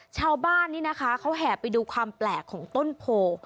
ชาวบ้านนี่นะคะเขาแห่ไปดูความแปลกของต้นโพ